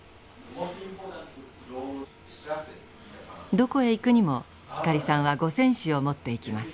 どこへ行くにも光さんは五線紙を持っていきます。